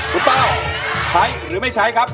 คุณเป้าใช้หรือไม่ใช้ครับ